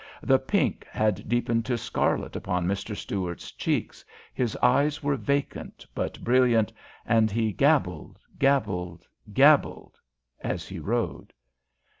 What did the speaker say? The pink had deepened to scarlet upon Mr. Stuart's cheeks, his eyes were vacant but brilliant, and he gabbled, gabbled, gabbled as he rode.